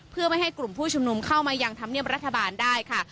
เพื่อไม่ให้กลุ่มผู้ชุมนุมเข้ามายังธรรมเนียมรัฐบาลได้ค่ะ